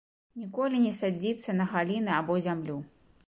Ніколі не садзіцца на галіны або зямлю.